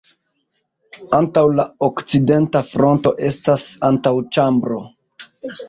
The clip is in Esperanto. Antaŭ la okcidenta fronto estas antaŭĉambro.